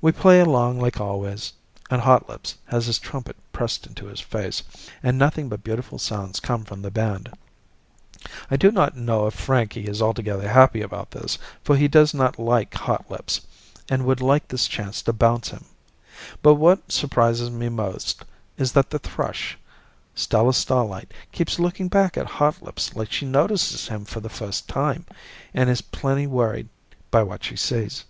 We play along like always, and Hotlips has his trumpet pressed into his face, and nothing but beautiful sounds come from the band. I do not know if Frankie is altogether happy about this, for he does not like Hotlips and would like this chance to bounce him. But what surprises me most is that the thrush, Stella Starlight, keeps looking back at Hotlips like she notices him for the first time and is plenty worried by what she sees.